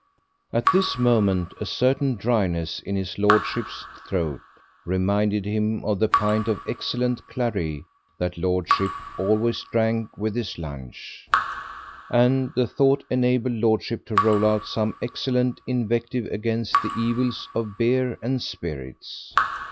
At this moment a certain dryness in his Lordship's throat reminded him of the pint of excellent claret that lordship always drank with his lunch, and the thought enabled lordship to roll out some excellent invective against the evils of beer and spirits.